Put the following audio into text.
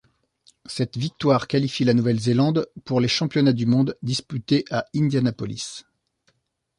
Cette victoire qualifie la Nouvelle-Zélande pour les championnats du monde disputés à Indianapolis.